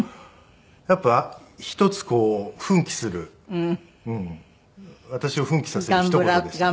やっぱり一つこう奮起する私を奮起させたひと言でしたね。